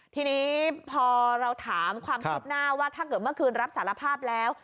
ทีนี้พอเราถามความคืบหน้าว่าถ้าเกิดเมื่อคืนรับสารภาพแล้ว